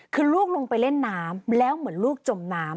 คือลูกลงไปเล่นน้ำแล้วเหมือนลูกจมน้ำ